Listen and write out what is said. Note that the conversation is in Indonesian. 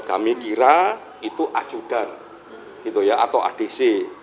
kami kira itu adjudan atau adc